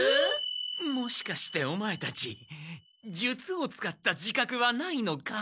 もしかしてオマエたち術を使った自かくはないのか？